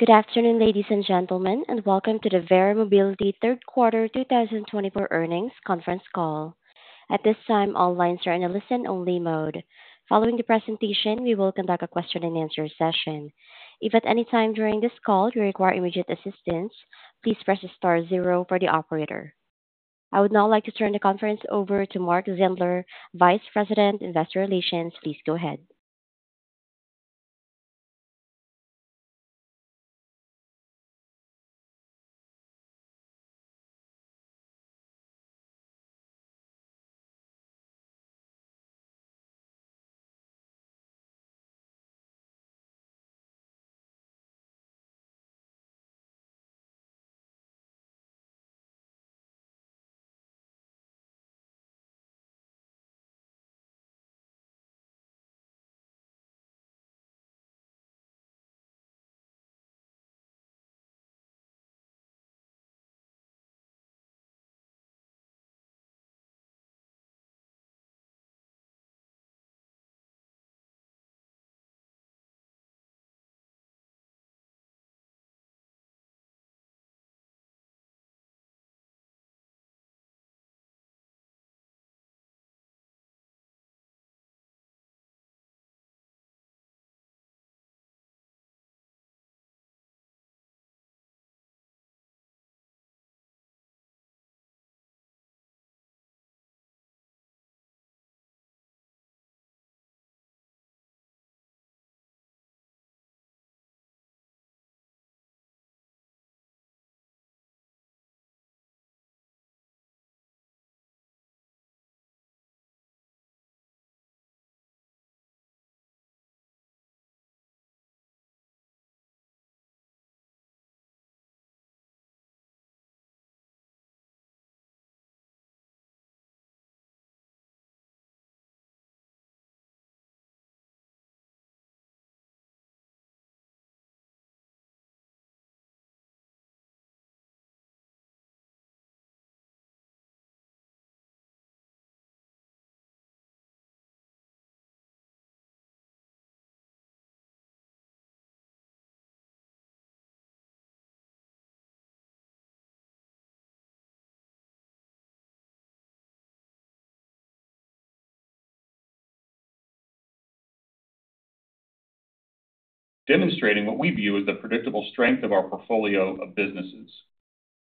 Good afternoon, ladies and gentlemen, and welcome to the Verra Mobility Third Quarter 2024 Earnings Conference Call. At this time, all lines are in a listen-only mode. Following the presentation, we will conduct a question-and-answer session. If at any time during this call you require immediate assistance, please press the star zero for the operator. I would now like to turn the conference over to Mark Zindler, Vice President, Investor Relations. Please go ahead. Demonstrating what we view as the predictable strength of our portfolio of businesses.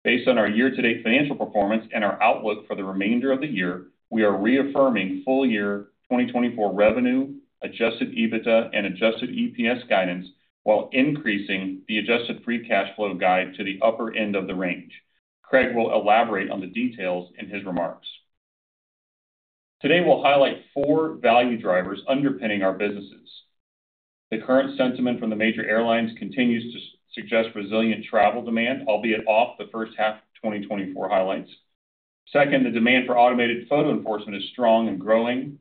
Based on our year-to-date financial performance and our outlook for the remainder of the year, we are reaffirming full-year 2024 revenue, Adjusted EBITDA, and Adjusted EPS guidance while increasing the Adjusted Free Cash Flow guide to the upper end of the range. Craig will elaborate on the details in his remarks. Today, we'll highlight four value drivers underpinning our businesses. The current sentiment from the major airlines continues to suggest resilient travel demand, albeit off the first half of 2024 highlights. Second, the demand for automated photo enforcement is strong and growing.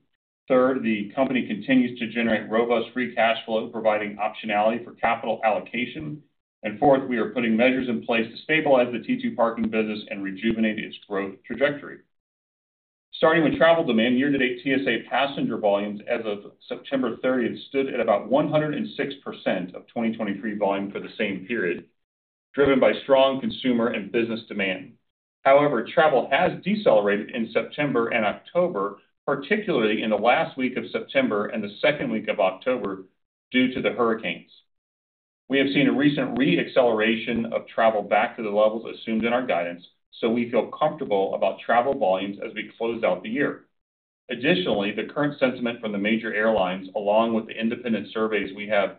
Third, the company continues to generate robust free cash flow, providing optionality for capital allocation. And fourth, we are putting measures in place to stabilize the T2 parking business and rejuvenate its growth trajectory. Starting with travel demand, year-to-date TSA passenger volumes as of September 30 stood at about 106% of 2023 volume for the same period, driven by strong consumer and business demand. However, travel has decelerated in September and October, particularly in the last week of September and the second week of October due to the hurricanes. We have seen a recent re-acceleration of travel back to the levels assumed in our guidance, so we feel comfortable about travel volumes as we close out the year. Additionally, the current sentiment from the major airlines, along with the independent surveys we have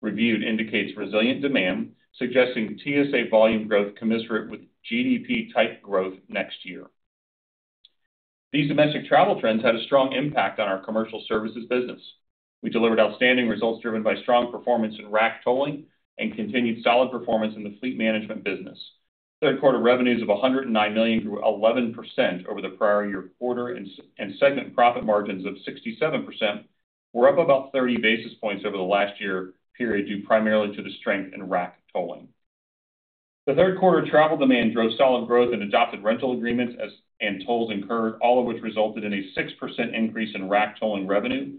reviewed, indicates resilient demand, suggesting TSA volume growth commensurate with GDP-type growth next year. These domestic travel trends had a strong impact on our Commercial Services business. We delivered outstanding results driven by strong performance in RAC tolling and continued solid performance in the fleet management business. Q3 revenues of $109 million grew 11% over the prior year quarter, and segment profit margins of 67% were up about 30 basis points over the last year period due primarily to the strength in RAC tolling. The Q3 travel demand drove solid growth and adopted rental agreements and tolls incurred, all of which resulted in a 6% increase in RAC tolling revenue.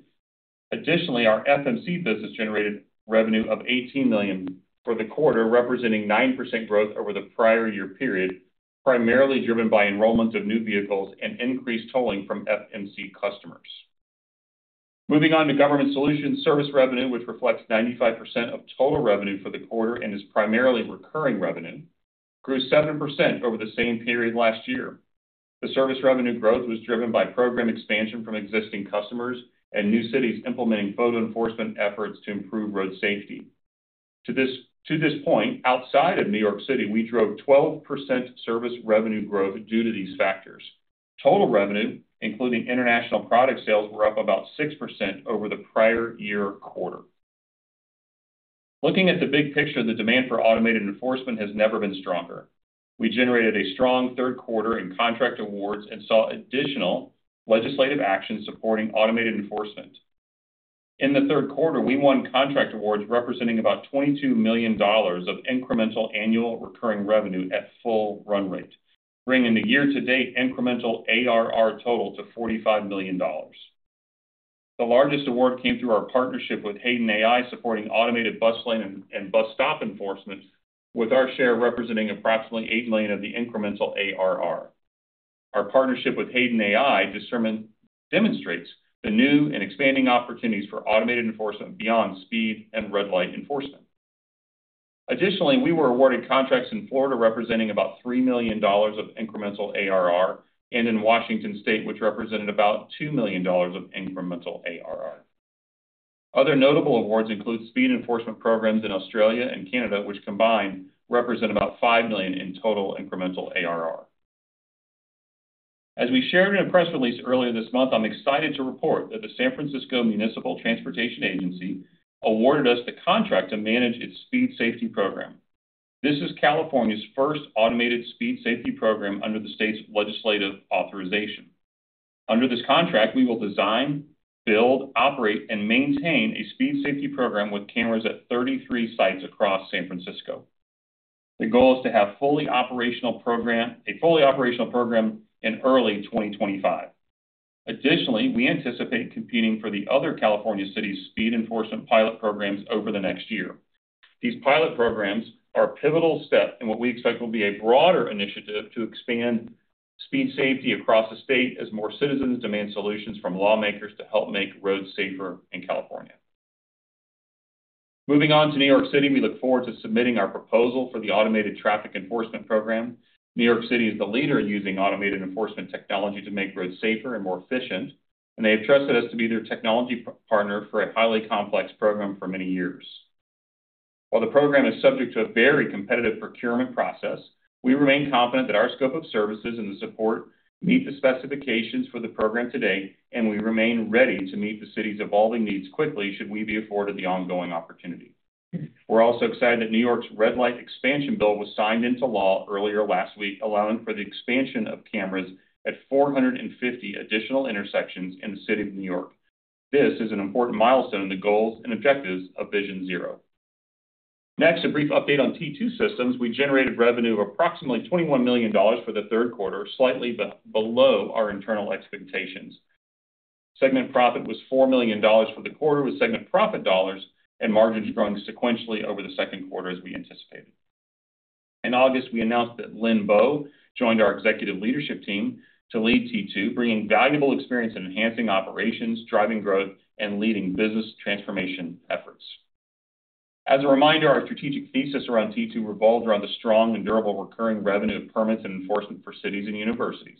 Additionally, our FMC business generated revenue of $18 million for the quarter, representing 9% growth over the prior year period, primarily driven by enrollment of new vehicles and increased tolling from FMC customers. Moving on to Government Solutions, service revenue, which reflects 95% of total revenue for the quarter and is primarily recurring revenue, grew 7% over the same period last year. The service revenue growth was driven by program expansion from existing customers and new cities implementing photo enforcement efforts to improve road safety. To this point, outside of New York City, we drove 12% service revenue growth due to these factors. Total revenue, including international product sales, were up about 6% over the prior year quarter. Looking at the big picture, the demand for automated enforcement has never been stronger. We generated a strong third quarter in contract awards and saw additional legislative action supporting automated enforcement. In the third quarter, we won contract awards representing about $22 million of incremental annual recurring revenue at full run rate, bringing the year-to-date incremental ARR total to $45 million. The largest award came through our partnership with Hayden AI, supporting automated bus lane and bus stop enforcement, with our share representing approximately $8 million of the incremental ARR. Our partnership with Hayden AI demonstrates the new and expanding opportunities for automated enforcement beyond speed and red light enforcement. Additionally, we were awarded contracts in Florida representing about $3 million of incremental ARR, and in Washington State, which represented about $2 million of incremental ARR. Other notable awards include speed enforcement programs in Australia and Canada, which combined represent about $5 million in total incremental ARR. As we shared in a press release earlier this month, I'm excited to report that the San Francisco Municipal Transportation Agency awarded us the contract to manage its speed safety program. This is California's first automated speed safety program under the state's legislative authorization. Under this contract, we will design, build, operate, and maintain a speed safety program with cameras at 33 sites across San Francisco. The goal is to have a fully operational program in early 2025. Additionally, we anticipate competing for the other California cities' speed enforcement pilot programs over the next year. These pilot programs are a pivotal step in what we expect will be a broader initiative to expand speed safety across the state as more citizens demand solutions from lawmakers to help make roads safer in California. Moving on to New York City, we look forward to submitting our proposal for the automated traffic enforcement program. New York City is the leader in using automated enforcement technology to make roads safer and more efficient, and they have trusted us to be their technology partner for a highly complex program for many years. While the program is subject to a very competitive procurement process, we remain confident that our scope of services and the support meet the specifications for the program today, and we remain ready to meet the city's evolving needs quickly should we be afforded the ongoing opportunity. We're also excited that New York's red light expansion bill was signed into law earlier last week, allowing for the expansion of cameras at 450 additional intersections in the city of New York. This is an important milestone in the goals and objectives of Vision Zero. Next, a brief update on T2 Systems. We generated revenue of approximately $21 million for the third quarter, slightly below our internal expectations. Segment profit was $4 million for the quarter with segment profit dollars, and margins growing sequentially over the second quarter as we anticipated. In August, we announced that Lin Bo joined our executive leadership team to lead T2, bringing valuable experience in enhancing operations, driving growth, and leading business transformation efforts. As a reminder, our strategic thesis around T2 revolves around the strong and durable recurring revenue of permits and enforcement for cities and universities.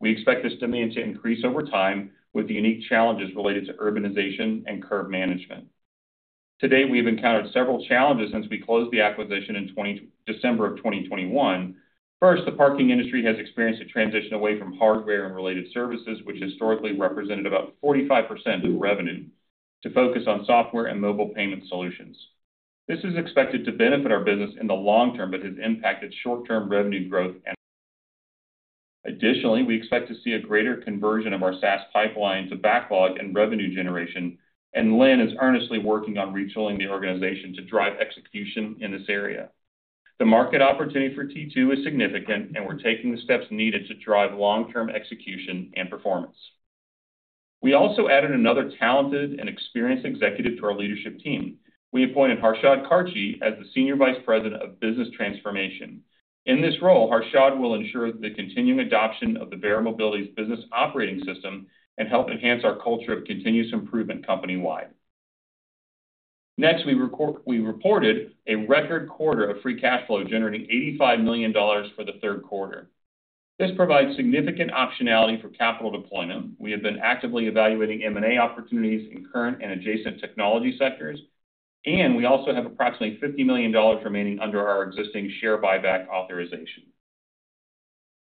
We expect this demand to increase over time with the unique challenges related to urbanization and curb management. Today, we have encountered several challenges since we closed the acquisition in December of 2021. First, the parking industry has experienced a transition away from hardware and related services, which historically represented about 45% of revenue, to focus on software and mobile payment solutions. This is expected to benefit our business in the long term but has impacted short-term revenue growth. Additionally, we expect to see a greater conversion of our SaaS pipeline to backlog and revenue generation, and Lynn is earnestly working on retooling the organization to drive execution in this area. The market opportunity for T2 is significant, and we're taking the steps needed to drive long-term execution and performance. We also added another talented and experienced executive to our leadership team. We appointed Harshad Kharche as the Senior Vice President of Business Transformation. In this role, Harshad will ensure the continuing adoption of the Verra Mobility's business operating system and help enhance our culture of continuous improvement company-wide. Next, we reported a record quarter of free cash flow generating $85 million for the third quarter. This provides significant optionality for capital deployment. We have been actively evaluating M&A opportunities in current and adjacent technology sectors, and we also have approximately $50 million remaining under our existing share buyback authorization.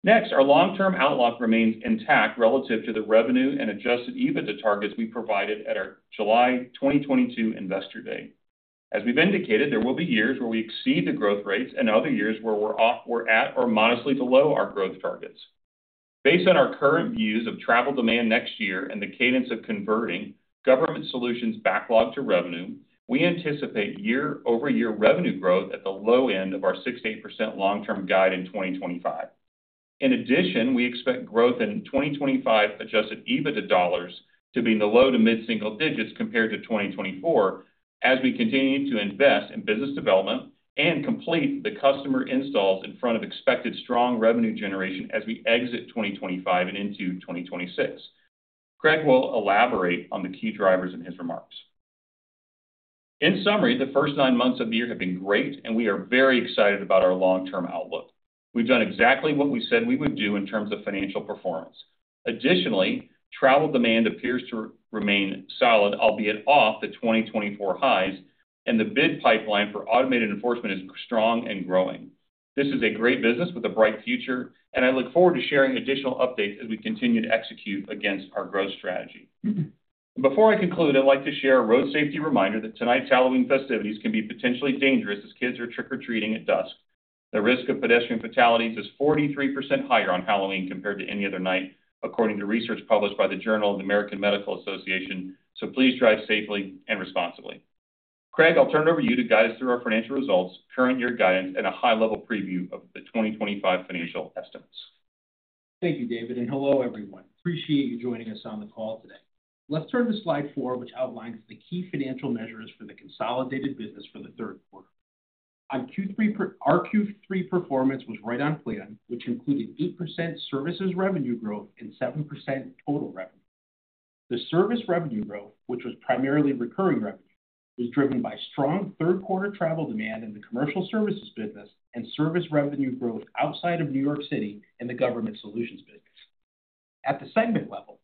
Next, our long-term outlook remains intact relative to the revenue and adjusted EBITDA targets we provided at our July 2022 Investor Day. As we've indicated, there will be years where we exceed the growth rates and other years where we're at or modestly below our growth targets. Based on our current views of travel demand next year and the cadence of converting Government Solutions backlog to revenue, we anticipate year-over-year revenue growth at the low end of our 68% long-term guide in 2025. In addition, we expect growth in 2025 Adjusted EBITDA dollars to be in the low to mid-single digits compared to 2024 as we continue to invest in business development and complete the customer installs in front of expected strong revenue generation as we exit 2025 and into 2026. Craig will elaborate on the key drivers in his remarks. In summary, the first nine months of the year have been great, and we are very excited about our long-term outlook. We've done exactly what we said we would do in terms of financial performance. Additionally, travel demand appears to remain solid, albeit off the 2024 highs, and the bid pipeline for automated enforcement is strong and growing. This is a great business with a bright future, and I look forward to sharing additional updates as we continue to execute against our growth strategy. Before I conclude, I'd like to share a road safety reminder that tonight's Halloween festivities can be potentially dangerous as kids are trick-or-treating at dusk. The risk of pedestrian fatalities is 43% higher on Halloween compared to any other night, according to research published by the Journal of the American Medical Association, so please drive safely and responsibly. Craig, I'll turn it over to you to guide us through our financial results, current year guidance, and a high-level preview of the 2025 financial estimates. Thank you, David, and hello, everyone. Appreciate you joining us on the call today. Let's turn to slide four, which outlines the key financial measures for the consolidated business for the third quarter. Our Q3 performance was right on plan, which included 8% services revenue growth and 7% total revenue. The service revenue growth, which was primarily recurring revenue, was driven by strong third quarter travel demand in the Commercial Services business and service revenue growth outside of New York City in the Government Solutions business. At the segment level,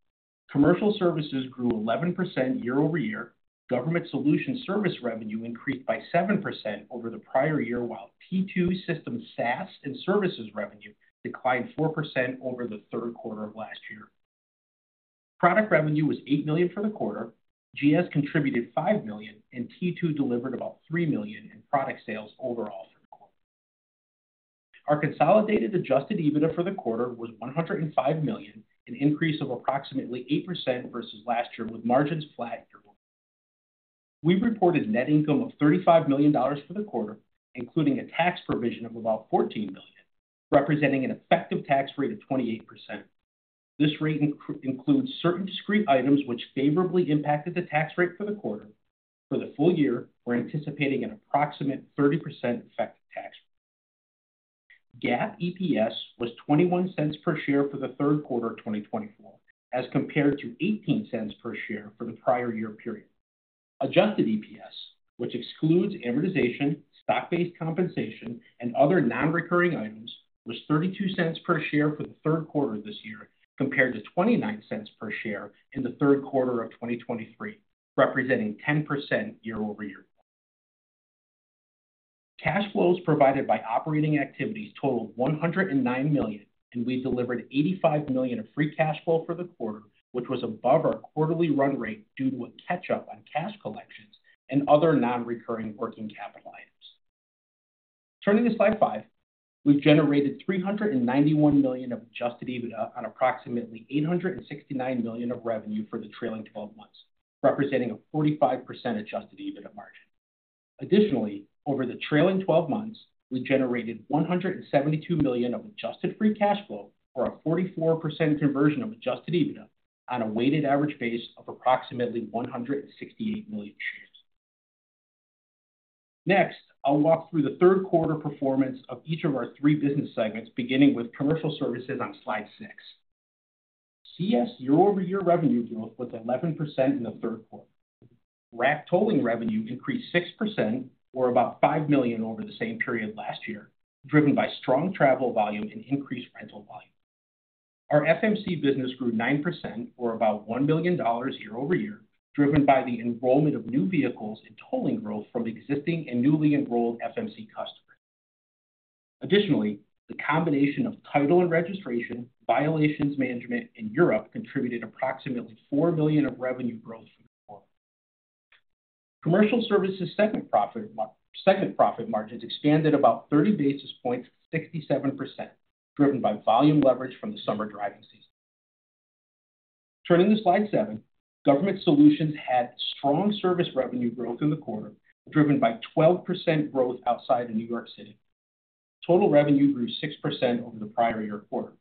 Commercial Services grew 11% year-over-year. Government Solutions service revenue increased by 7% over the prior year, while T2 Systems SaaS and services revenue declined 4% over the third quarter of last year. Product revenue was $8 million for the quarter. GS contributed $5 million, and T2 delivered about $3 million in product sales overall for the quarter. Our consolidated adjusted EBITDA for the quarter was $105 million, an increase of approximately 8% versus last year, with margins flat year-over-year. We reported net income of $35 million for the quarter, including a tax provision of about $14 million, representing an effective tax rate of 28%. This rate includes certain discrete items which favorably impacted the tax rate for the quarter. For the full year, we're anticipating an approximate 30% effective tax rate. GAAP EPS was $0.21 per share for the third quarter of 2024, as compared to $0.18 per share for the prior year period. Adjusted EPS, which excludes amortization, stock-based compensation, and other non-recurring items, was $0.32 per share for the third quarter of this year, compared to $0.29 per share in the third quarter of 2023, representing 10% year-over-year. Cash flows provided by operating activities totaled $109 million, and we delivered $85 million of free cash flow for the quarter, which was above our quarterly run rate due to a catch-up on cash collections and other non-recurring working capital items. Turning to slide five, we've generated $391 million of adjusted EBITDA on approximately $869 million of revenue for the trailing 12 months, representing a 45% adjusted EBITDA margin. Additionally, over the trailing 12 months, we generated $172 million of adjusted free cash flow or a 44% conversion of adjusted EBITDA on a weighted average base of approximately $168 million. Next, I'll walk through the third quarter performance of each of our three business segments, beginning with Commercial Services on slide six. CS year-over-year revenue growth was 11% in the third quarter. RAC tolling revenue increased 6%, or about $5 million over the same period last year, driven by strong travel volume and increased rental volume. Our FMC business grew 9%, or about $1 million year-over-year, driven by the enrollment of new vehicles and tolling growth from existing and newly enrolled FMC customers. Additionally, the combination of title and registration, violations management, and Europe contributed approximately $4 million of revenue growth for the quarter. Commercial Services segment profit margins expanded about 30 basis points to 67%, driven by volume leverage from the summer driving season. Turning to slide seven, Government Solutions had strong service revenue growth in the quarter, driven by 12% growth outside of New York City. Total revenue grew 6% over the prior year quarter.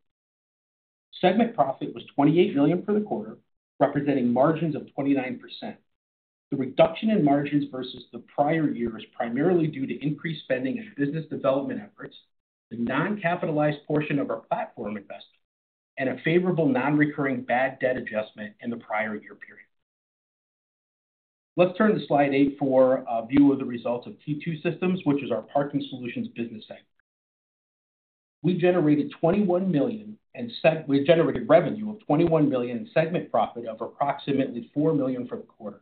Segment profit was $28 million for the quarter, representing margins of 29%. The reduction in margins versus the prior year is primarily due to increased spending and business development efforts, the non-capitalized portion of our platform investment, and a favorable non-recurring bad debt adjustment in the prior year period. Let's turn to slide eight for a view of the results of T2 Systems, which is our Parking Solutions business segment. We generated $21 million and revenue of $21 million in segment profit of approximately $4 million for the quarter.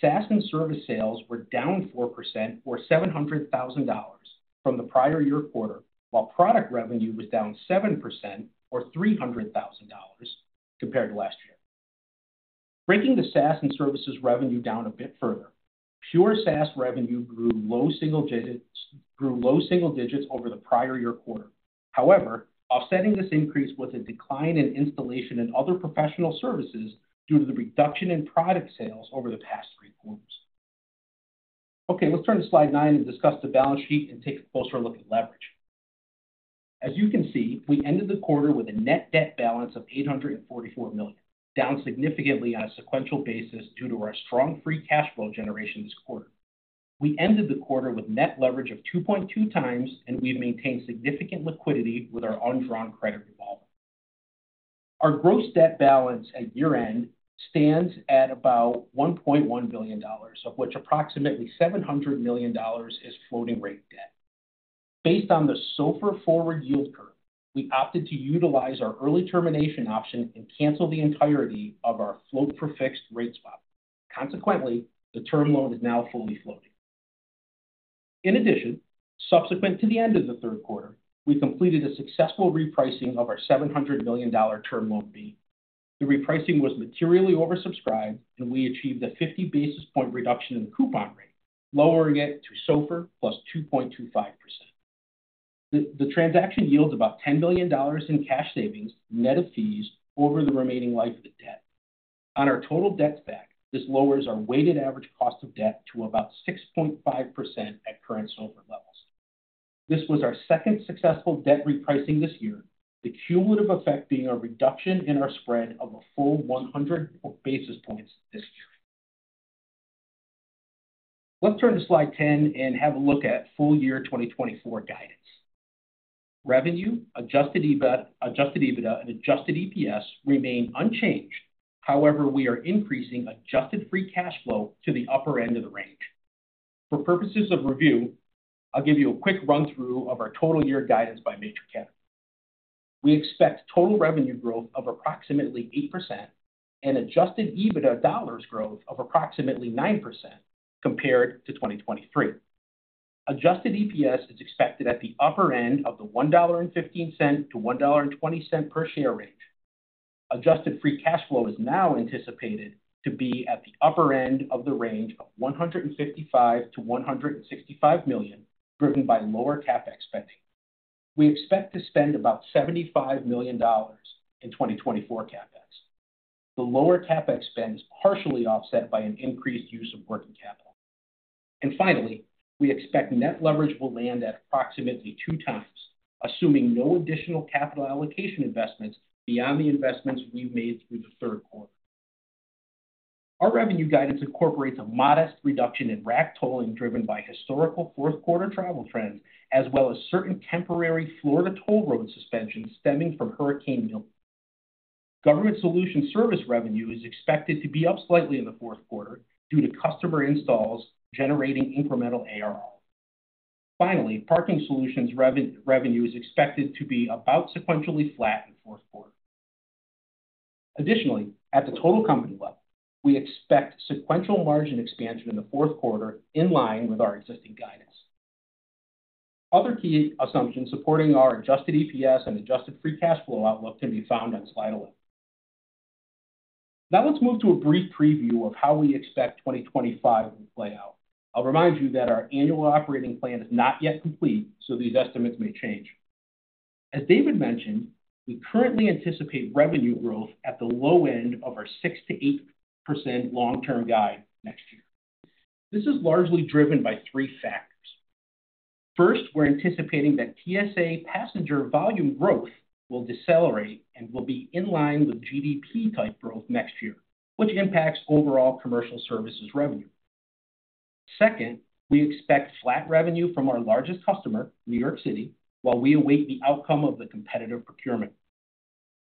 SaaS and service sales were down 4%, or $700,000, from the prior year quarter, while product revenue was down 7%, or $300,000, compared to last year. Breaking the SaaS and Services revenue down a bit further, pure SaaS revenue grew low single digits over the prior year quarter. However, offsetting this increase was a decline in installation and other professional services due to the reduction in product sales over the past three quarters. Okay, let's turn to slide nine and discuss the balance sheet and take a closer look at leverage. As you can see, we ended the quarter with a net debt balance of $844 million, down significantly on a sequential basis due to our strong free cash flow generation this quarter. We ended the quarter with net leverage of 2.2 times, and we've maintained significant liquidity with our undrawn credit revolving. Our gross debt balance at year-end stands at about $1.1 billion, of which approximately $700 million is floating rate debt. Based on the SOFR forward yield curve, we opted to utilize our early termination option and cancel the entirety of our float-for-fixed rate swap. Consequently, the term loan is now fully floating. In addition, subsequent to the end of the third quarter, we completed a successful repricing of our $700 million Term Loan B. The repricing was materially oversubscribed, and we achieved a 50 basis point reduction in the coupon rate, lowering it to SOFR plus 2.25%. The transaction yields about $10 million in cash savings, net of fees, over the remaining life of the debt. On our total debt stack, this lowers our weighted average cost of debt to about 6.5% at current SOFR levels. This was our second successful debt repricing this year, the cumulative effect being a reduction in our spread of a full 100 basis points this year. Let's turn to slide 10 and have a look at full year 2024 guidance. Revenue, adjusted EBITDA, and adjusted EPS remain unchanged. However, we are increasing adjusted free cash flow to the upper end of the range. For purposes of review, I'll give you a quick run-through of our total year guidance by major categories. We expect total revenue growth of approximately 8% and adjusted EBITDA dollars growth of approximately 9% compared to 2023. Adjusted EPS is expected at the upper end of the $1.15-$1.20 per share range. Adjusted free cash flow is now anticipated to be at the upper end of the range of $155 million-$165 million, driven by lower CapEx spending. We expect to spend about $75 million in 2024 CapEx. The lower CapEx spend is partially offset by an increased use of working capital. And finally, we expect net leverage will land at approximately two times, assuming no additional capital allocation investments beyond the investments we've made through the third quarter. Our revenue guidance incorporates a modest reduction in RAC tolling driven by historical fourth quarter travel trends, as well as certain temporary Florida toll road suspensions stemming from Hurricane Milton. Government Solutions service revenue is expected to be up slightly in the fourth quarter due to customer installs generating incremental ARR. Finally, Parking Solutions revenue is expected to be about sequentially flat in the fourth quarter. Additionally, at the total company level, we expect sequential margin expansion in the fourth quarter in line with our existing guidance. Other key assumptions supporting our Adjusted EPS and Adjusted Free Cash Flow outlook can be found on slide 11. Now let's move to a brief preview of how we expect 2025 will play out. I'll remind you that our annual operating plan is not yet complete, so these estimates may change. As David mentioned, we currently anticipate revenue growth at the low end of our 6%-8% long-term guide next year. This is largely driven by three factors. First, we're anticipating that TSA passenger volume growth will decelerate and will be in line with GDP-type growth next year, which impacts overall Commercial Services revenue. Second, we expect flat revenue from our largest customer, New York City, while we await the outcome of the competitive procurement.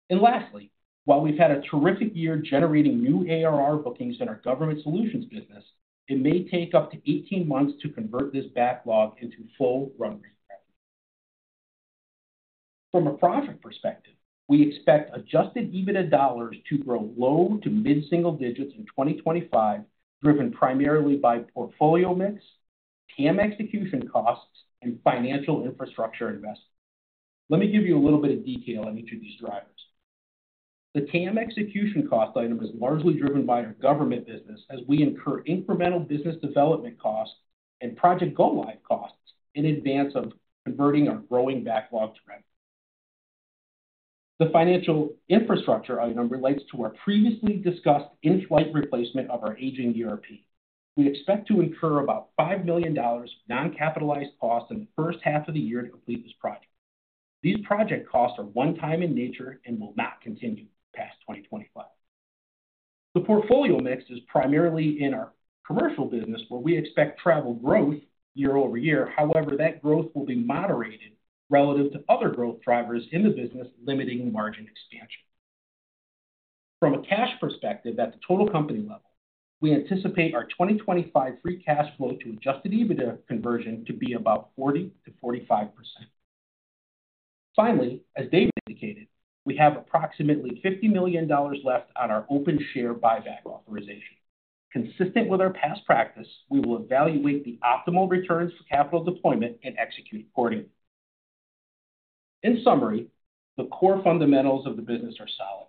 And lastly, while we've had a terrific year generating new ARR bookings in our Government Solutions business, it may take up to 18 months to convert this backlog into full run rate. From a profit perspective, we expect Adjusted EBITDA dollars to grow low to mid-single digits in 2025, driven primarily by portfolio mix, TAM execution costs, and financial infrastructure investment. Let me give you a little bit of detail on each of these drivers. The TAM execution cost item is largely driven by our government business, as we incur incremental business development costs and project go-live costs in advance of converting our growing backlog to revenue. The financial infrastructure item relates to our previously discussed in-flight replacement of our aging ERP. We expect to incur about $5 million of non-capitalized costs in the first half of the year to complete this project. These project costs are one-time in nature and will not continue past 2025. The portfolio mix is primarily in our commercial business, where we expect travel growth year-over-year. However, that growth will be moderated relative to other growth drivers in the business, limiting margin expansion. From a cash perspective, at the total company level, we anticipate our 2025 free cash flow to Adjusted EBITDA conversion to be about 40%-45%. Finally, as David indicated, we have approximately $50 million left on our open share buyback authorization. Consistent with our past practice, we will evaluate the optimal returns for capital deployment and execute accordingly. In summary, the core fundamentals of the business are solid.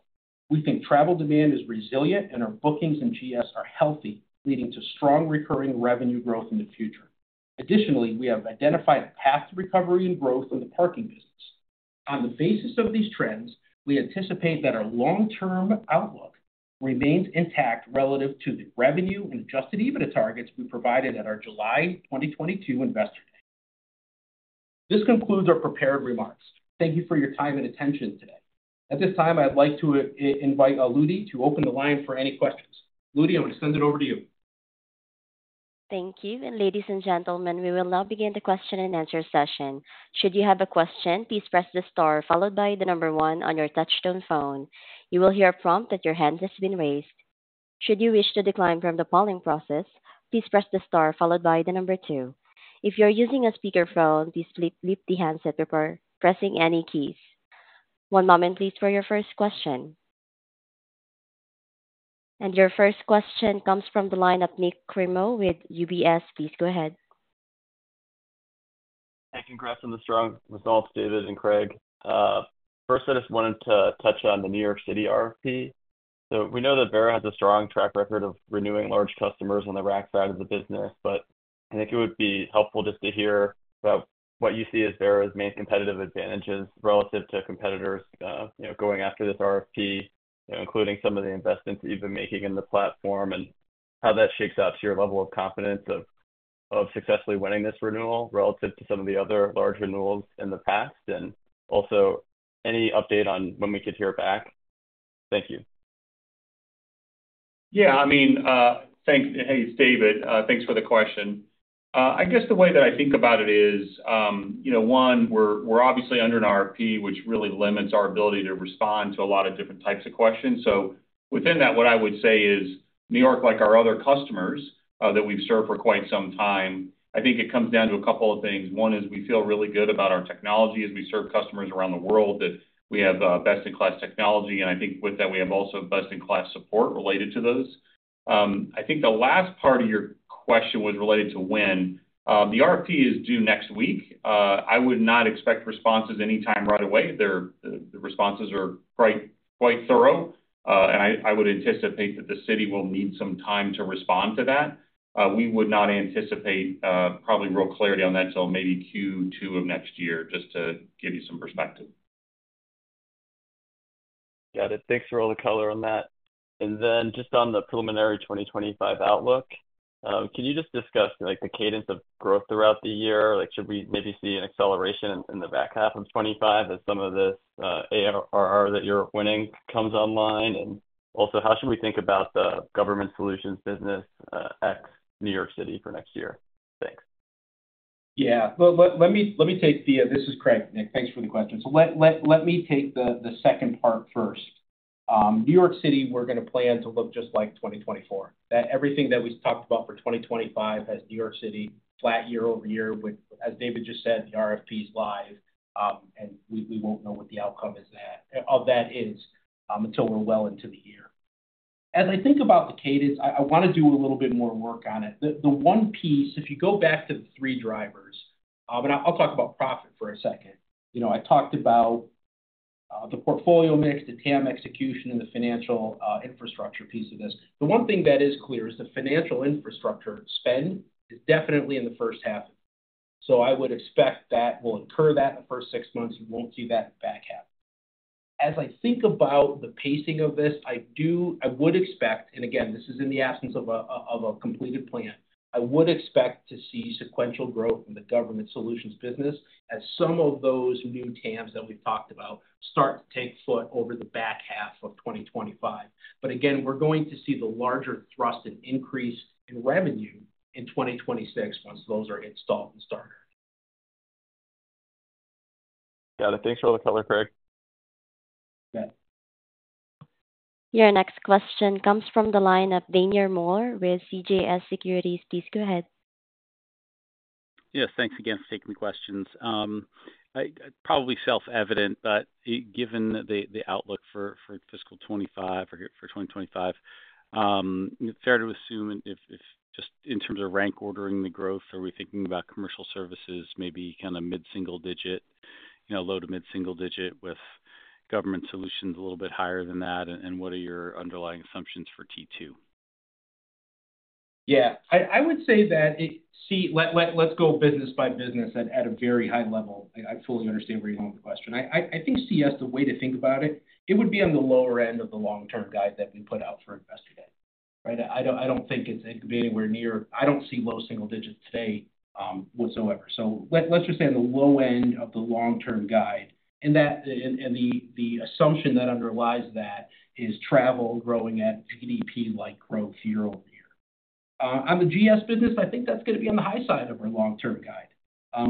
We think travel demand is resilient, and our bookings and GS are healthy, leading to strong recurring revenue growth in the future. Additionally, we have identified a path to recovery and growth in the parking business. On the basis of these trends, we anticipate that our long-term outlook remains intact relative to the revenue and adjusted EBITDA targets we provided at our July 2022 Investor Day. This concludes our prepared remarks. Thank you for your time and attention today. At this time, I'd like to invite Aludi to open the line for any questions. Aludi, I'm going to send it over to you. Thank you. Ladies and gentlemen, we will now begin the question and answer session. Should you have a question, please press the star followed by the number one on your touch-tone phone. You will hear a prompt that your hand has been raised. Should you wish to decline from the polling process, please press the star followed by the number two. If you're using a speakerphone, please flip the handset before pressing any keys. One moment, please, for your first question. Your first question comes from the line of Nik Cremo with UBS. Please go ahead. Thank you, congrats on the strong results, David and Craig. First, I just wanted to touch on the New York City RFP. So we know that Verra has a strong track record of renewing large customers on the RAC side of the business, but I think it would be helpful just to hear about what you see as Verra's main competitive advantages relative to competitors going after this RFP, including some of the investments you've been making in the platform and how that shakes out to your level of confidence of successfully winning this renewal relative to some of the other large renewals in the past. And also, any update on when we could hear back? Thank you. Yeah, I mean, thanks. Hey, it's David, thanks for the question. I guess the way that I think about it is, one, we're obviously under an RFP, which really limits our ability to respond to a lot of different types of questions. Within that, what I would say is New York, like our other customers that we've served for quite some time, I think it comes down to a couple of things. One is we feel really good about our technology as we serve customers around the world that we have best-in-class technology. And I think with that, we have also best-in-class support related to those. I think the last part of your question was related to when. The RFP is due next week. I would not expect responses anytime right away. The responses are quite thorough, and I would anticipate that the city will need some time to respond to that. We would not anticipate probably real clarity on that until maybe Q2 of next year, just to give you some perspective. Got it. Thanks for all the color on that. And then just on the preliminary 2025 outlook, can you just discuss the cadence of growth throughout the year? Should we maybe see an acceleration in the back half of 2025 as some of this ARR that you're winning comes online? And also, how should we think about the Government Solutions business at New York City for next year? Thanks. Yeah, well, let me take the. This is Craig. Nik, thanks for the question. So let me take the second part first. New York City, we're going to plan to look just like 2024. Everything that we talked about for 2025 has New York City flat year-over-year, which, as David just said, the RFP is live, and we won't know what the outcome of that is until we're well into the year. As I think about the cadence, I want to do a little bit more work on it. The one piece, if you go back to the three drivers, and I'll talk about profit for a second. I talked about the portfolio mix, the TAM execution, and the financial infrastructure piece of this. The one thing that is clear is the financial infrastructure spend is definitely in the first half of the year. So I would expect that we'll incur that in the first six months. You won't see that back half. As I think about the pacing of this, I would expect, and again, this is in the absence of a completed plan, I would expect to see sequential growth in the Government Solutions business as some of those new TAMs that we've talked about start to take foot over the back half of 2025. But again, we're going to see the larger thrust and increase in revenue in 2026 once those are installed and started. Got it. Thanks for all the color, Craig. Your next question comes from the line of Daniel Moore with CJS Securities. Please go ahead. Yes, thanks again for taking the questions. Probably self-evident, but given the outlook for fiscal 2025 or for 2025, fair to assume if just in terms of rank ordering the growth, are we thinking about Commercial Services, maybe kind of mid-single digit, low to mid-single digit with government solutions a little bit higher than that? And what are your underlying assumptions for T2? Yeah, I would say that, see, let's go business by business at a very high level. I fully understand where you're going with the question. I think CS, the way to think about it, it would be on the lower end of the long-term guide that we put out for Investor Day. I don't think it's going to be anywhere near. I don't see low single digits today whatsoever. So let's just say on the low end of the long-term guide. And the assumption that underlies that is travel growing at GDP-like growth year-over-year. On the GS business, I think that's going to be on the high side of our long-term guide.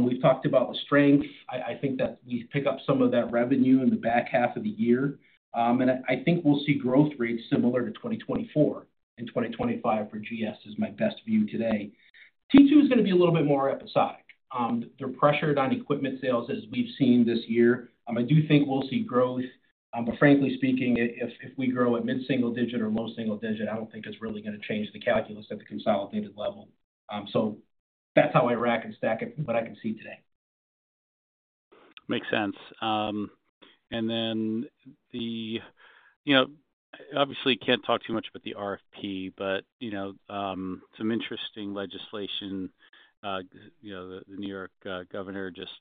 We've talked about the strength. I think that we pick up some of that revenue in the back half of the year. And I think we'll see growth rates similar to 2024 and 2025 for GS is my best view today. T2 is going to be a little bit more episodic. They're pressured on equipment sales as we've seen this year. I do think we'll see growth. But frankly speaking, if we grow at mid-single digit or low single digit, I don't think it's really going to change the calculus at the consolidated level. So that's how I rack and stack it from what I can see today. Makes sense. And then the, obviously, can't talk too much about the RFP, but some interesting legislation. The New York governor, just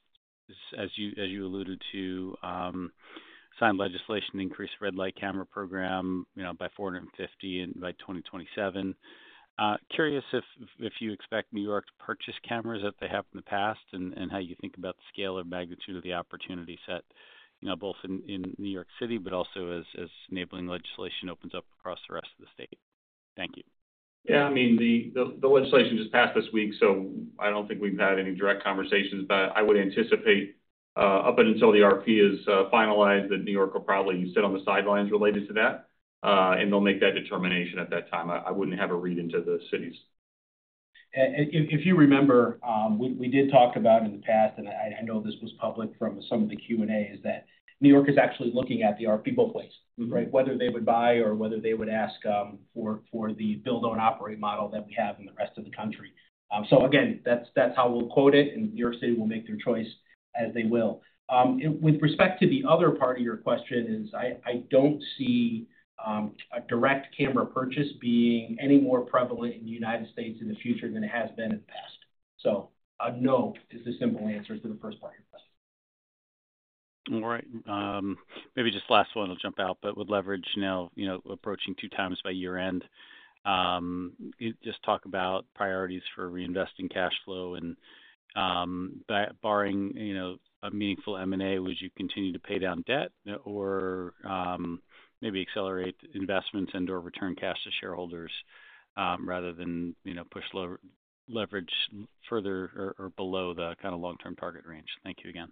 as you alluded to, signed legislation to increase the red light camera program by 450 by 2027. Curious if you expect New York to purchase cameras that they have in the past and how you think about the scale or magnitude of the opportunity set both in New York City, but also as enabling legislation opens up across the rest of the state. Thank you. Yeah, I mean, the legislation just passed this week, so I don't think we've had any direct conversations. But I would anticipate up until the RFP is finalized that New York will probably sit on the sidelines related to that, and they'll make that determination at that time. I wouldn't have a read into the cities. If you remember, we did talk about in the past, and I know this was public from some of the Q&As, that New York City is actually looking at the RFP both ways, whether they would buy or whether they would ask for the build-own-operate model that we have in the rest of the country. So again, that's how we'll quote it, and New York City will make their choice as they will. With respect to the other part of your question, I don't see a direct camera purchase being any more prevalent in the United States in the future than it has been in the past. So no is the simple answer to the first part of your question. All right. Maybe just last one will jump out, but with leverage now approaching two times by year-end, just talk about priorities for reinvesting cash flow and barring a meaningful M&A, would you continue to pay down debt or maybe accelerate investments and/or return cash to shareholders rather than leverage further or below the kind of long-term target range? Thank you again.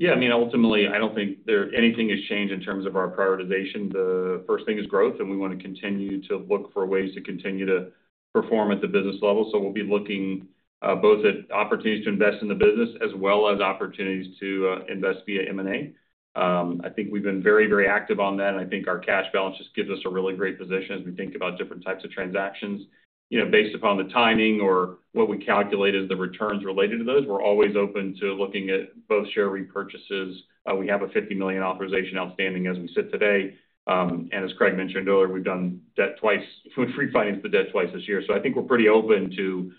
Yeah, I mean, ultimately, I don't think anything has changed in terms of our prioritization. The first thing is growth, and we want to continue to look for ways to continue to perform at the business level. So we'll be looking both at opportunities to invest in the business as well as opportunities to invest via M&A. I think we've been very, very active on that, and I think our cash balance just gives us a really great position as we think about different types of transactions. Based upon the timing or what we calculate as the returns related to those, we're always open to looking at both share repurchases. We have a $50 million authorization outstanding as we sit today. And as Craig mentioned earlier, we've done debt twice, refinanced the debt twice this year. So I think we're pretty open to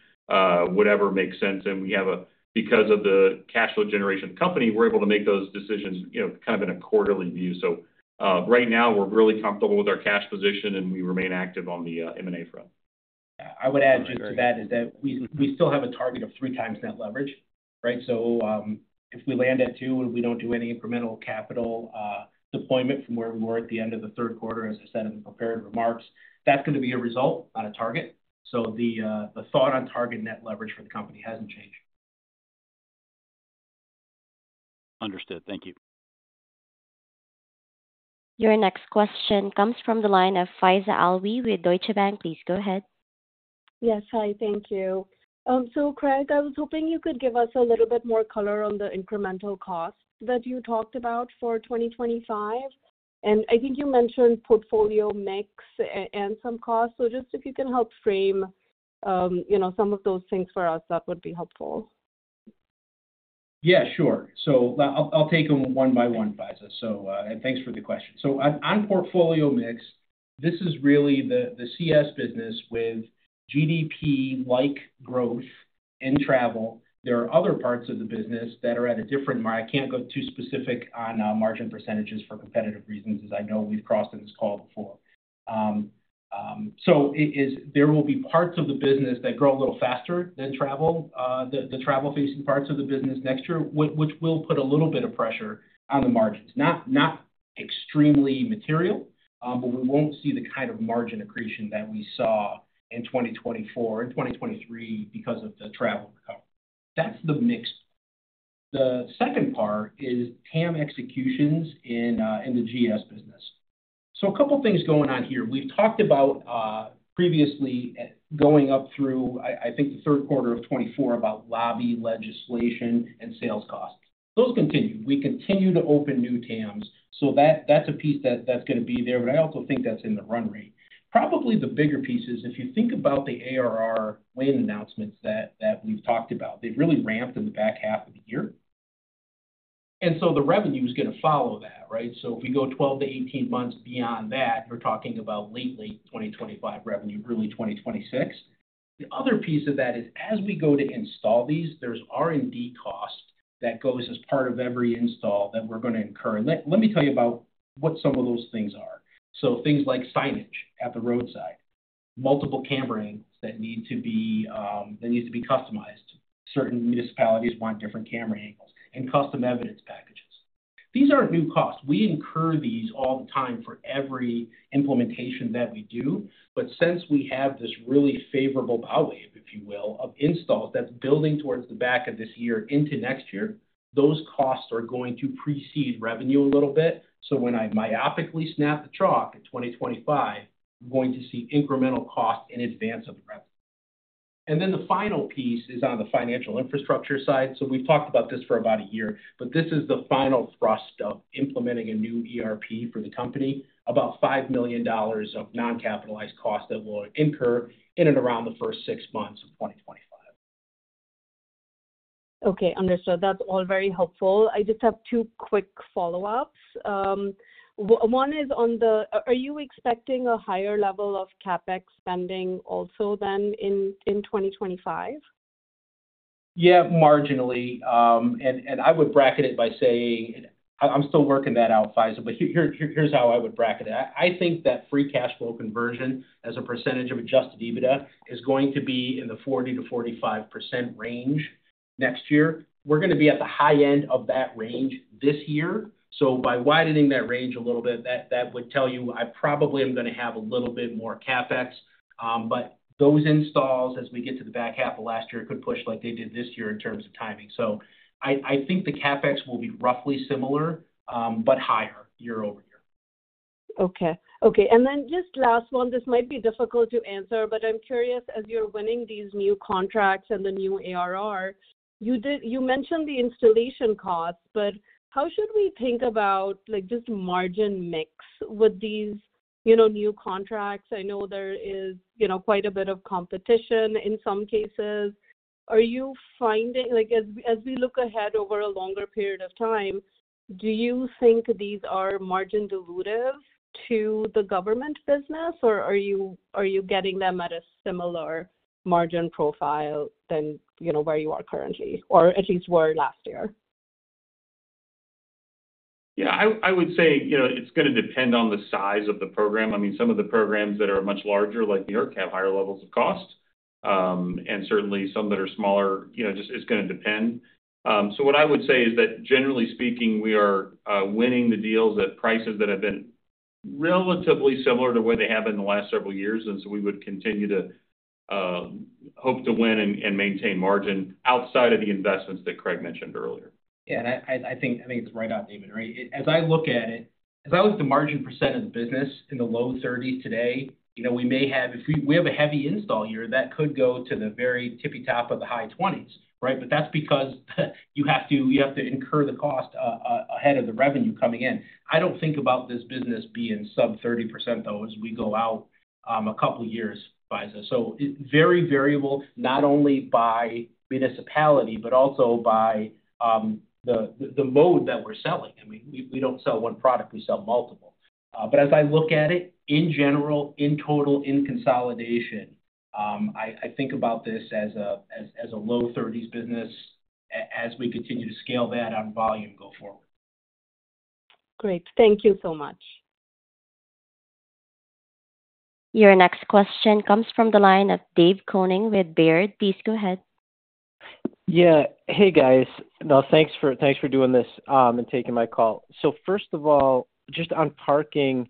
whatever makes sense. And because of the cash flow generation of the company, we're able to make those decisions kind of in a quarterly view. So right now, we're really comfortable with our cash position, and we remain active on the M&A front. I would add just to that is that we still have a target of three times net leverage. So if we land at two, we don't do any incremental capital deployment from where we were at the end of the third quarter, as I said in the prepared remarks. That's going to be a result, not a target. So the thought on target net leverage for the company hasn't changed. Understood. Thank you. Your next question comes from the line of Faiza Alwy with Deutsche Bank. Please go ahead. Yes, hi. Thank you. So Craig, I was hoping you could give us a little bit more color on the incremental costs that you talked about for 2025. And I think you mentioned portfolio mix and some costs. So just if you can help frame some of those things for us, that would be helpful. Yeah, sure. So I'll take them one by one, Faiza. And thanks for the question. So on portfolio mix, this is really the CS business with GDP-like growth and travel. There are other parts of the business that are at a different margin. I can't go too specific on margin percentages for competitive reasons, as I know we've crossed in this call before. So there will be parts of the business that grow a little faster than travel, the travel-facing parts of the business next year, which will put a little bit of pressure on the margins. Not extremely material, but we won't see the kind of margin accretion that we saw in 2024 and 2023 because of the travel recovery. That's the mixed part. The second part is TAM executions in the GS business. So a couple of things going on here. We've talked about previously going up through, I think, the third quarter of 2024 about lobby legislation and sales costs. Those continue. We continue to open new TAMs. So that's a piece that's going to be there, but I also think that's in the run rate. Probably the bigger piece is if you think about the ARR win announcements that we've talked about, they've really ramped in the back half of the year. And so the revenue is going to follow that. So if we go 12 months-18 months beyond that, we're talking about late-late 2025 revenue, early 2026. The other piece of that is as we go to install these, there's R&D cost that goes as part of every install that we're going to incur. Let me tell you about what some of those things are. So things like signage at the roadside, multiple camera angles that need to be customized. Certain municipalities want different camera angles and custom evidence packages. These aren't new costs. We incur these all the time for every implementation that we do. But since we have this really favorable bow wave, if you will, of installs that's building towards the back of this year into next year, those costs are going to precede revenue a little bit. So when I myopically snap the chalk at 2025, we're going to see incremental costs in advance of revenue. And then the final piece is on the financial infrastructure side. So we've talked about this for about a year, but this is the final thrust of implementing a new ERP for the company, about $5 million of non-capitalized costs that will incur in and around the first six months of 2025. Okay. Understood. That's all very helpful. I just have two quick follow-ups. One is on the, are you expecting a higher level of CapEx spending also then in 2025? Yeah, marginally. I would bracket it by saying, I'm still working that out, Faiza, but here's how I would bracket it. I think that free cash flow conversion as a percentage of Adjusted EBITDA is going to be in the 40%-45% range next year. We're going to be at the high end of that range this year. So by widening that range a little bit, that would tell you I probably am going to have a little bit more CapEx. But those installs, as we get to the back half of last year, could push like they did this year in terms of timing. So I think the CapEx will be roughly similar, but higher year-over-year. Okay. Okay. And then just last one. This might be difficult to answer, but I'm curious, as you're winning these new contracts and the new ARR, you mentioned the installation costs, but how should we think about just margin mix with these new contracts? I know there is quite a bit of competition in some cases. Are you finding, as we look ahead over a longer period of time, do you think these are margin-dilutive to the government business, or are you getting them at a similar margin profile than where you are currently, or at least were last year? Yeah, I would say it's going to depend on the size of the program. I mean, some of the programs that are much larger, like New York, have higher levels of cost. And certainly, some that are smaller, it's going to depend. So what I would say is that, generally speaking, we are winning the deals at prices that have been relatively similar to where they have been the last several years. And so we would continue to hope to win and maintain margin outside of the investments that Craig mentioned earlier. Yeah. And I think it's right out, David, right? As I look at it, as I look at the margin percent of the business in the low 30s today, we may have if we have a heavy install year, that could go to the very tippy top of the high 20s, right? But that's because you have to incur the cost ahead of the revenue coming in. I don't think about this business being sub 30%, though, as we go out a couple of years, Faiza. So very variable, not only by municipality, but also by the mode that we're selling. I mean, we don't sell one product. We sell multiple. But as I look at it, in general, in total, in consolidation, I think about this as a low 30s business as we continue to scale that on volume go forward. Great. Thank you so much. Your next question comes from the line of Dave Koning with Baird. Please go ahead. Yeah. Hey, guys. No, thanks for doing this and taking my call. So first of all, just on parking,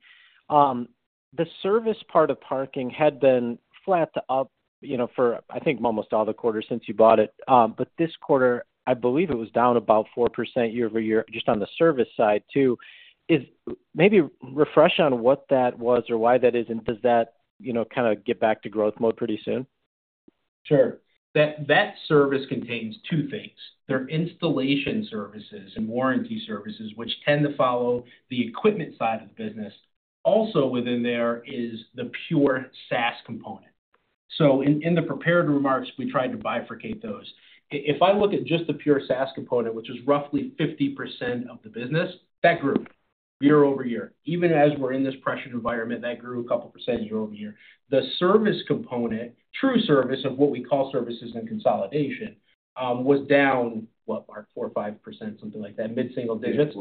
the service part of parking had been flat up for, I think, almost all the quarters since you bought it. But this quarter, I believe it was down about 4% year-over-year just on the service side too. Maybe refresh on what that was or why that is, and does that kind of get back to growth mode pretty soon? Sure. That service contains two things. There are installation services and warranty services, which tend to follow the equipment side of the business. Also within there is the pure SaaS component. So in the prepared remarks, we tried to bifurcate those. If I look at just the pure SaaS component, which is roughly 50% of the business, that grew year-over-year. Even as we're in this pressured environment, that grew a couple of percent year-over-year. The service component, true service of what we call services in consolidation, was down, what, Mark, 4% or 5%, something like that, mid-single digits.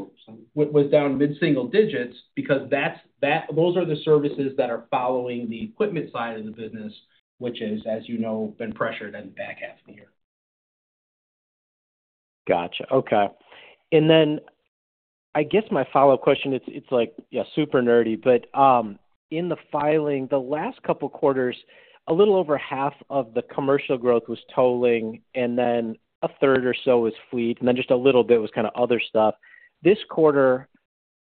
Was down mid-single digits because those are the services that are following the equipment side of the business, which has, as you know, been pressured in the back half of the year. Gotcha. Okay. And then I guess my follow-up question, it's super nerdy, but in the filing, the last couple of quarters, a little over half of the commercial growth was tolling, and then a third or so was fleet, and then just a little bit was kind of other stuff. This quarter,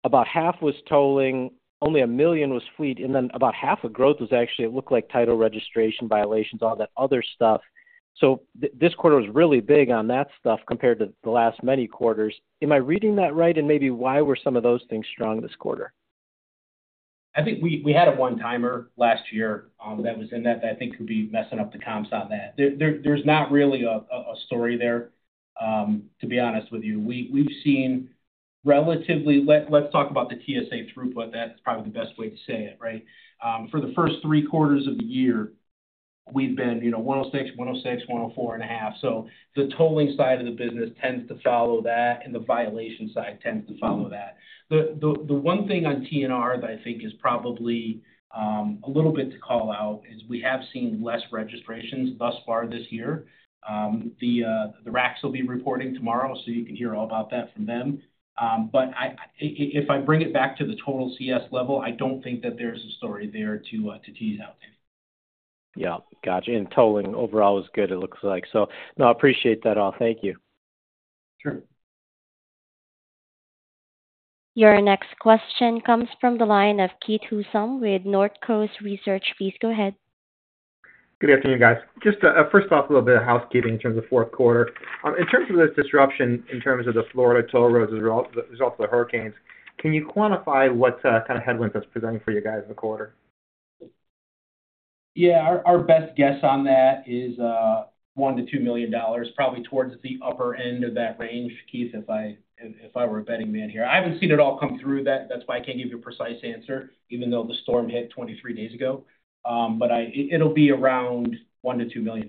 about half was tolling, only $1 million was fleet, and then about half of growth was actually, it looked like title registration violations, all that other stuff. So this quarter was really big on that stuff compared to the last many quarters. Am I reading that right, and maybe why were some of those things strong this quarter? I think we had a one-timer last year that was in that I think could be messing up the comps on that. There's not really a story there, to be honest with you. We've seen relatively let's talk about the TSA throughput. That's probably the best way to say it, right? For the first three quarters of the year, we've been $106 million, $106 million, $104.5 million. So the tolling side of the business tends to follow that, and the violation side tends to follow that. The one thing on rental that I think is probably a little bit to call out is we have seen less registrations thus far this year. The RACs will be reporting tomorrow, so you can hear all about that from them. But if I bring it back to the total CS level, I don't think that there's a story there to tease out, David. Yeah. Gotcha. And tolling overall is good, it looks like. So no, I appreciate that all. Thank you. Sure. Your next question comes from the line of Keith Housum with Northcoast Research. Please go ahead. Good afternoon, guys. Just first off, a little bit of housekeeping in terms of fourth quarter. In terms of this disruption, in terms of the Florida toll roads as a result of the hurricanes, can you quantify what kind of headwinds that's presenting for you guys in the quarter? Yeah. Our best guess on that is $1 million-$2 million, probably towards the upper end of that range, Keith, if I were a betting man here. I haven't seen it all come through. That's why I can't give you a precise answer, even though the storm hit 23 days ago. But it'll be around $1 million-$2 million.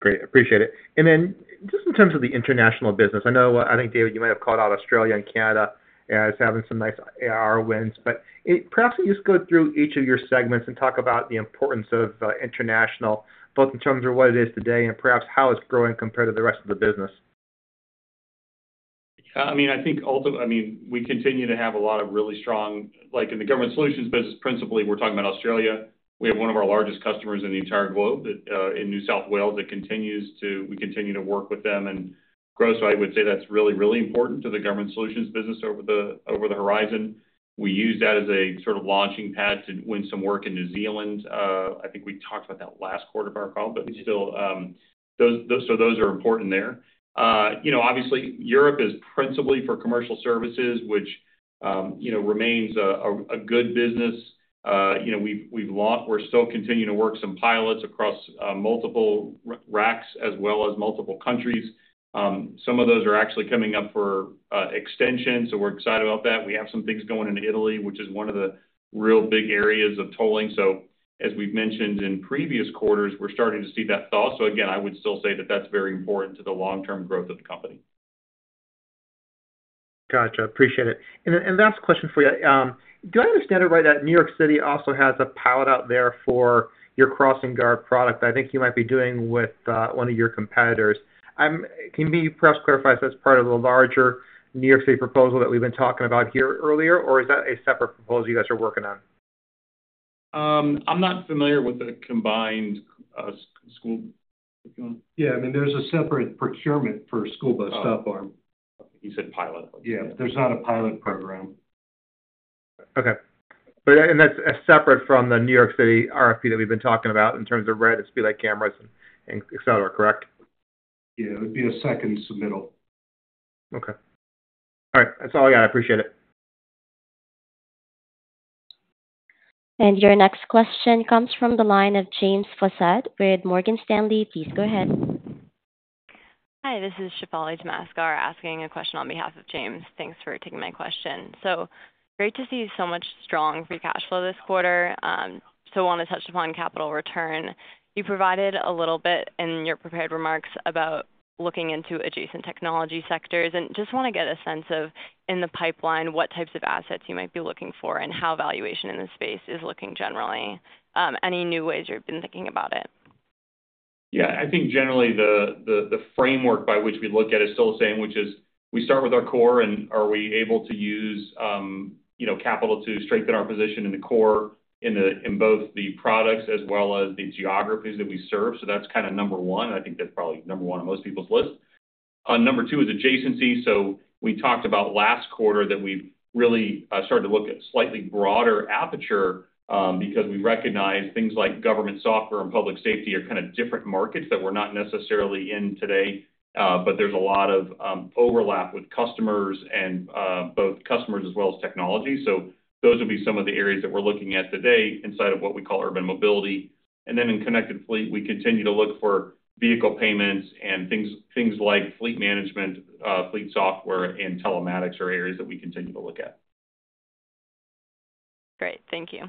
Great. Appreciate it. And then just in terms of the international business, I know I think, David, you might have called out Australia and Canada as having some nice ARR wins. But perhaps can you just go through each of your segments and talk about the importance of international, both in terms of what it is today and perhaps how it's growing compared to the rest of the business? Yeah. I mean, I think also I mean, we continue to have a lot of really strong in the Government Solutions business, principally, we're talking about Australia. We have one of our largest customers in the entire globe in New South Wales that continues to we continue to work with them and grow. So I would say that's really, really important to the Government Solutions business over the horizon. We use that as a sort of launching pad to win some work in New Zealand. I think we talked about that last quarter of our call, but still, so those are important there. Obviously, Europe is principally for Commercial Services, which remains a good business. We're still continuing to work some pilots across multiple RACs as well as multiple countries. Some of those are actually coming up for extension, so we're excited about that. We have some things going in Italy, which is one of the real big areas of tolling. So as we've mentioned in previous quarters, we're starting to see that thaw. So again, I would still say that that's very important to the long-term growth of the company. Gotcha. Appreciate it. And last question for you. Do I understand it right that New York City also has a pilot out there for your Crossing Guard product that I think you might be doing with one of your competitors? Can you perhaps clarify if that's part of the larger New York City proposal that we've been talking about here earlier, or is that a separate proposal you guys are working on? I'm not familiar with the combined school. Yeah. I mean, there's a separate procurement for school bus stop arms. You said pilot. Yeah. There's not a pilot program. Okay. And that's separate from the New York City RFP that we've been talking about in terms of red and speed light cameras, et cetera, correct? Yeah. It would be a second submittal. Okay. All right. That's all I got. I appreciate it. And your next question comes from the line of James Faucette with Morgan Stanley. Please go ahead. Hi. This is Shefali Tamaskar asking a question on behalf of James. Thanks for taking my question. So great to see so much strong free cash flow this quarter. So I want to touch upon capital return. You provided a little bit in your prepared remarks about looking into adjacent technology sectors. And just want to get a sense of, in the pipeline, what types of assets you might be looking for and how valuation in this space is looking generally. Any new ways you've been thinking about it? Yeah. I think generally the framework by which we look at it is still the same, which is we start with our core and are we able to use capital to strengthen our position in the core in both the products as well as the geographies that we serve. So that's kind of number one. I think that's probably number one on most people's list. Number two is adjacency. So we talked about last quarter that we've really started to look at slightly broader aperture because we recognize things like government software and public safety are kind of different markets that we're not necessarily in today. But there's a lot of overlap with customers and both customers as well as technology. So those will be some of the areas that we're looking at today inside of what we call urban mobility. And then in connected fleet, we continue to look for vehicle payments and things like fleet management, fleet software, and telematics are areas that we continue to look at. Great. Thank you.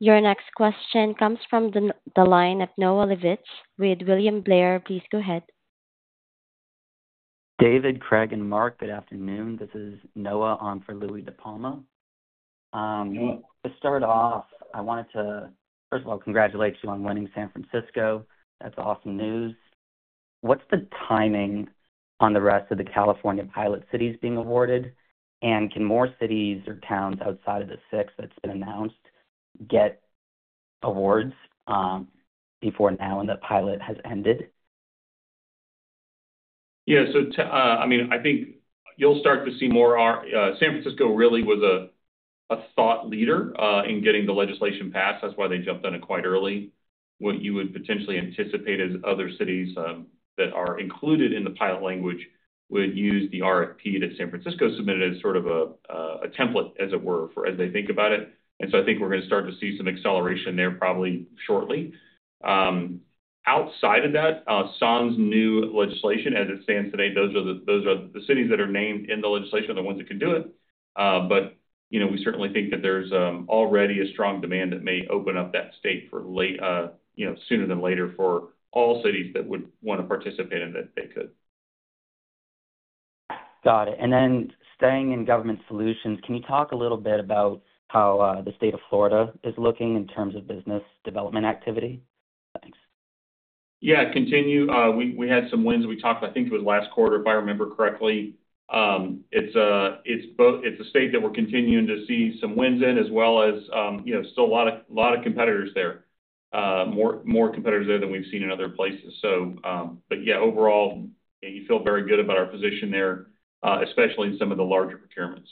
Your next question comes from the line of Noah Levitz with William Blair. Please go ahead. David, Craig, and Mark, good afternoon. This is Noah on for Louie DiPalma. To start off, I wanted to, first of all, congratulate you on winning San Francisco. That's awesome news. What's the timing on the rest of the California pilot cities being awarded? And can more cities or towns outside of the six that's been announced get awards before now when the pilot has ended? Yeah. So I mean, I think you'll start to see more. San Francisco really was a thought leader in getting the legislation passed. That's why they jumped on it quite early. What you would potentially anticipate is other cities that are included in the pilot language would use the RFP that San Francisco submitted as sort of a template, as it were, as they think about it. And so I think we're going to start to see some acceleration there probably shortly. Outside of that, sans new legislation, as it stands today, those are the cities that are named in the legislation, the ones that can do it. But we certainly think that there's already a strong demand that may open up that state sooner than later for all cities that would want to participate in that they could. Got it. And then staying in Government Solutions, can you talk a little bit about how the state of Florida is looking in terms of business development activity? Thanks. Yeah. Continue. We had some wins we talked about. I think it was last quarter, if I remember correctly. It's a state that we're continuing to see some wins in as well as still a lot of competitors there, more competitors there than we've seen in other places. But yeah, overall, you feel very good about our position there, especially in some of the larger procurements.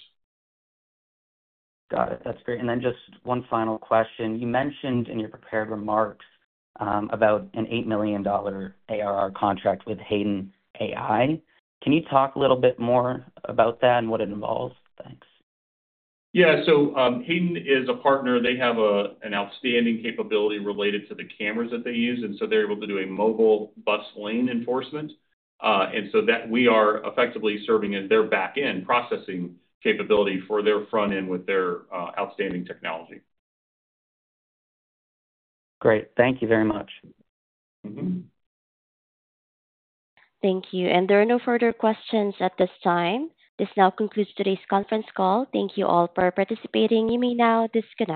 Got it. That's great. And then just one final question. You mentioned in your prepared remarks about an $8 million ARR contract with Hayden AI. Can you talk a little bit more about that and what it involves? Thanks. Yeah. So Hayden is a partner. They have an outstanding capability related to the cameras that they use. And so they're able to do a mobile bus lane enforcement. And so we are effectively serving as their back-end processing capability for their front-end with their outstanding technology. Great. Thank you very much. Thank you. And there are no further questions at this time. This now concludes today's conference call. Thank you all for participating. You may now disconnect.